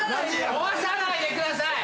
壊さないでください。